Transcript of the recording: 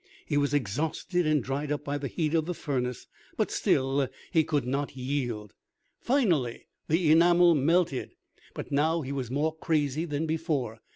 He was exhausted and dried up by the heat of the furnace; but still he could not yield. Finally the enamel melted. But now he was more crazy than before.